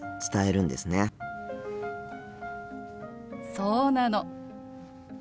そうなの。